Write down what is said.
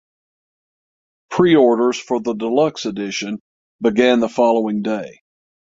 Preorders for the deluxe edition began the following day.